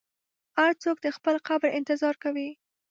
هر څوک د خپل قبر انتظار کوي.